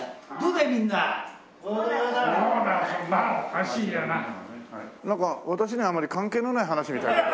なんか私にはあまり関係のない話みたい。